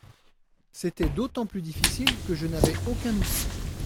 C’était d’autant plus difficile que je n’avais aucun outil.